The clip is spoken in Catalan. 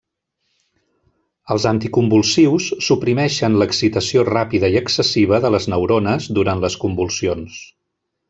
Els anticonvulsius suprimeixen l'excitació ràpida i excessiva de les neurones durant les convulsions.